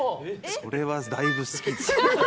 それはだいぶ好きですね。